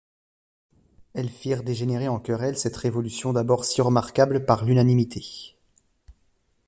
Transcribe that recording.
Elles firent dégénérer en querelle cette révolution d’abord si remarquable par l’unanimité.